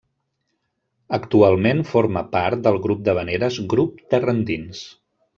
Actualment forma part del grup d'havaneres Grup Terra Endins.